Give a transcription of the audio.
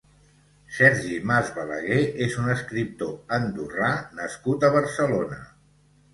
Sergi Mas Balaguer és un escriptor andorrà nascut a Barcelona.